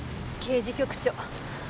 刑事局長。